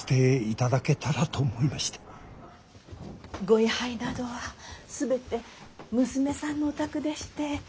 ご位牌などは全て娘さんのお宅でして。